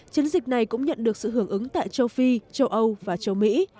chiến dịch này cũng nhận được sự hưởng ứng tại châu phi châu âu và châu mỹ